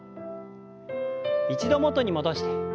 一度元に戻して。